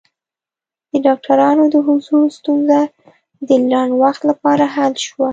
د ډاکټرانو د حضور ستونزه د لنډ وخت لپاره حل شوه.